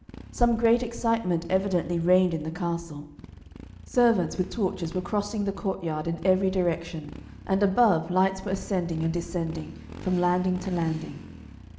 Some great excitement evidently reigned in the castle. Servants with torches were crossing the courtyard in every direction, and above lights were ascending and descending from landing to landing.